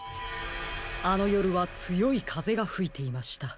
あのよるはつよいかぜがふいていました。